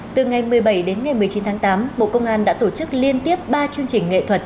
từ ngày một mươi bảy đến ngày một mươi chín tháng tám bộ công an đã tổ chức liên tiếp ba chương trình nghệ thuật